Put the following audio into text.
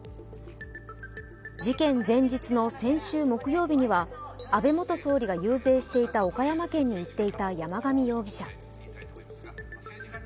事件前日の先週木曜日には安倍元総理が遊説していた岡山県に行っていた山上容疑者。